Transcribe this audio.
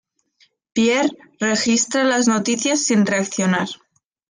Pierre registra las noticias sin reaccionar.